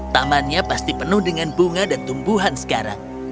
tamannya pasti penuh dengan bunga dan tumbuhan sekarang